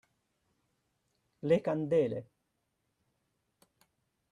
Le candele.